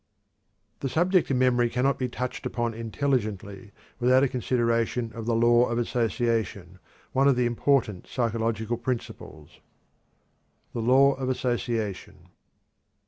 The subject of memory cannot be touched upon intelligently without a consideration of the Law of Association, one of the important psychological principles. THE LAW OF ASSOCIATION.